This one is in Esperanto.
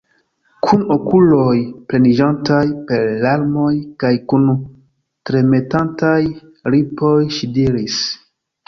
Kun okuloj pleniĝantaj per larmoj kaj kun tremetantaj lipoj ŝi diris: